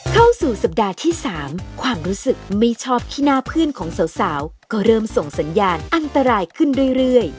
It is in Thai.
เข้าสู่สัปดาห์ที่๓ความรู้สึกไม่ชอบขี้หน้าเพื่อนของสาวก็เริ่มส่งสัญญาณอันตรายขึ้นเรื่อย